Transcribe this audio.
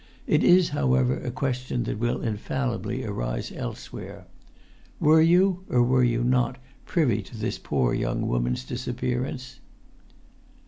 It is, however, a question that will infallibly arise elsewhere. Were you, or were you not, privy to this poor young woman's disappearance?"